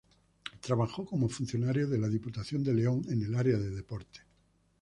Trabajó como funcionario de la Diputación de León en el área de deportes.